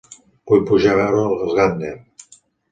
Vull pujar a veure els Gardner.